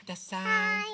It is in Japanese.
はい。